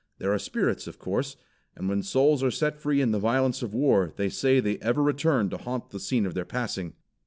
"There are spirits, of course; and when souls are set free in the violence of war they say they ever return to haunt the scene of their passing."